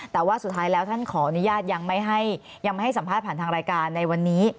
แต่ว่าสุดท้ายแล้วท่านขออนุญาตยังไม่ให้สัมภาษณ์ผ่านทางรายการในวันนี้